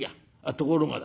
ところがだ